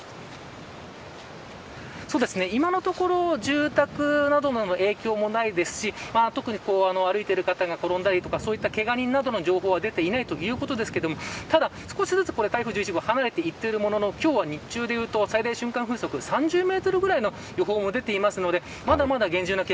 今のところ住宅などの影響もないですし特に、歩いている方が転んだり、けが人などの情報は出ていないということですけれどただ、少しずつ、台風１１号離れていっているものの今日は日中でいうと最大瞬間風速３０メートルぐらいの予報も出ています。